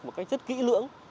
một cách rất kỹ lưỡng